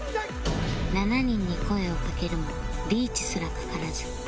７人に声をかけるもリーチすらかからず